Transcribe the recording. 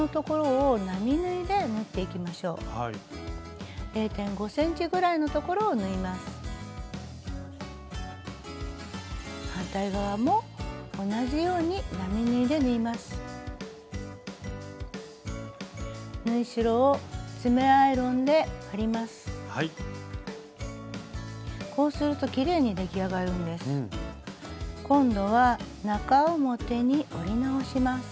今度は中表に折り直します。